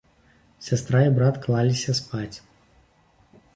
Сястра і брат клаліся спаць.